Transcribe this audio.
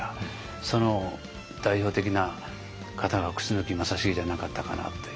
その代表的な方が楠木正成じゃなかったかなという。